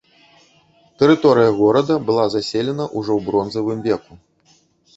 Тэрыторыя горада была заселена ўжо ў бронзавым веку.